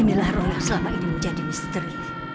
inilah ruang yang selama ini menjadi misteri